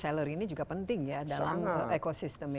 jadi reseller ini juga penting ya dalam ekosistem ini